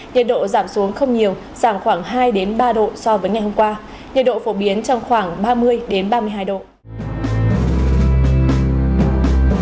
nhiệt độ giảm xuống không nhiều giảm khoảng hai ba độ so với ngày hôm qua nhiệt độ phổ biến trong khoảng ba mươi ba mươi hai độ